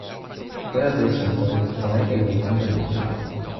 嗰日佢遲到，跪喺地度講對唔住